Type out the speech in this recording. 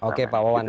oke pak wawan